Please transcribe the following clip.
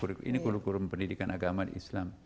ini kurikulum pendidikan agama di islam